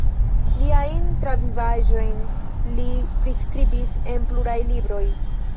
Liajn travivaĵojn li priskribis en pluraj libroj.